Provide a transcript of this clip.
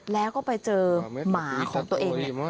แล้วก็ไปเจอหมาของตัวเอง